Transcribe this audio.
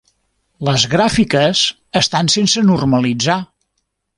Les gràfiques estan sense normalitzar.